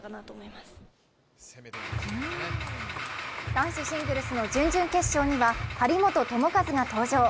男子シングルスの準々決勝には張本智和が登場。